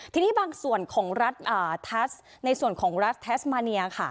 ทีนี้บางส่วนของรัฐทัสในส่วนของรัฐแทสมาเนียค่ะ